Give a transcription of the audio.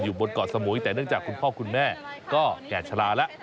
บนเกาะสมุยแต่เนื่องจากคุณพ่อคุณแม่ก็แก่ชะลาแล้ว